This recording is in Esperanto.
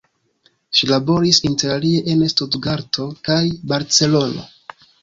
Ŝi laboris interalie en Stutgarto kaj Barcelono.